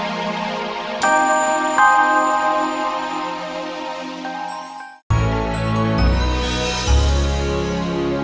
ibu sadarlah ibu